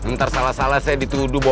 ntar salah salah saya dituduh